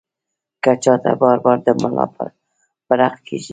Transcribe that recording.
کۀ چاته بار بار د ملا پړق کيږي